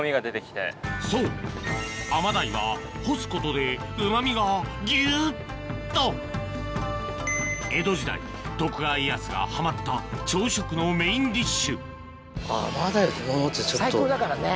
そうアマダイは干すことで旨味がギュっと江戸時代徳川家康がハマった朝食のメインディッシュ最高だからね。